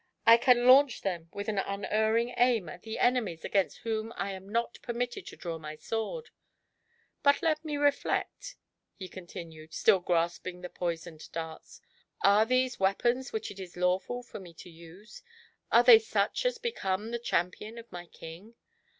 I can launch them with an unerring aim at the enemies against whom I am not permitted to draw my sword. But let me reflect," he continued, still grasping the poisoned darts; "are these weapons which it is lawful for me to use? are they such as be come the champion of my King